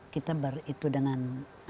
kita baru itu dengan